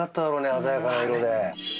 鮮やかな色で。